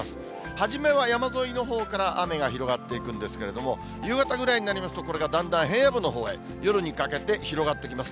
初めは山沿いのほうから雨が広がっていくんですけれども、夕方ぐらいになりますと、これがだんだん平野部のほうへ、夜にかけて広がってきます。